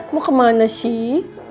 mau kemana sih